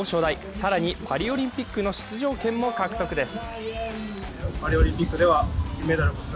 更に、パリオリンピックの出場権も獲得です。